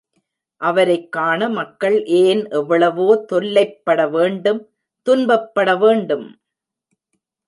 அவரைக் காண மக்கள் ஏன் எவ்வளவோ தொல்லைப் பட வேண்டும் துன்பப்பட வேண்டும்?